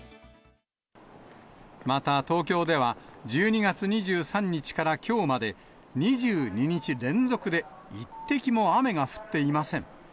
また東京では、１２月２３日からきょうまで、２２日連続で一滴も雨が降っていません。